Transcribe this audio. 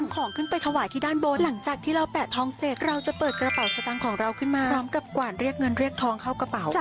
ขอบคุณคุณก่อนเลยนะ